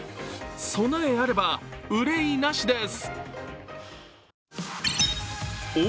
備えあれば憂いなしです。